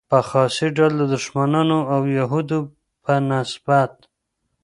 په خاص ډول د دښمنانو او یهودو په نسبت.